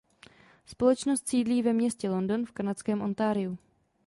Společnost sídlí ve městě London v kanadském Ontariu.